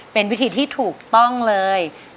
เป็นวิธีที่ถูกต้องเลย